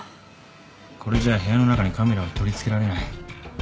これじゃ部屋の中にカメラを取り付けられない。